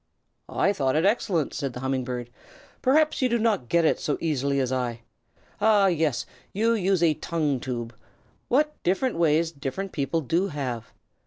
"I thought it excellent," said the Humming Bird. "Perhaps you do not get it so easily as I. Ah yes, you use a tongue tube. What different ways different people do have.